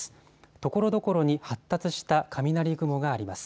ところどころに発達した雷雲があります。